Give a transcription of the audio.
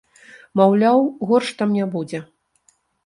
Маўляў, горш там не будзе.